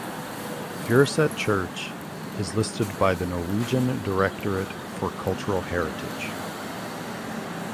Furuset Church is listed by the Norwegian Directorate for Cultural Heritage.